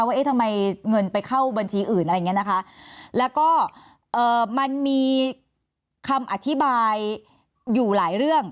เอ๊ะทำไมเงินไปเข้าบัญชีอื่นอะไรอย่างเงี้ยนะคะแล้วก็เอ่อมันมีคำอธิบายอยู่หลายเรื่อง